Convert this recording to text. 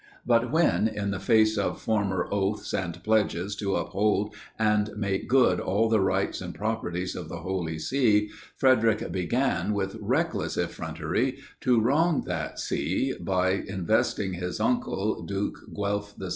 But when, in the face of former oaths and pledges to uphold and make good all the rights and property of the Holy See, Frederic began, with reckless effrontery, to wrong that see by investing his uncle, Duke Guelph VI.